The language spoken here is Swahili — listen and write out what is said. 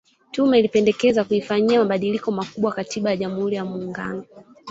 Tume ilipendekeza kuifanyia mabadiliko makubwa katiba ya Jamhuri ya Muungano